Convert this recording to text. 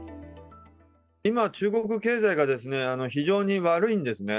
今、中国経済が非常に悪いんですね。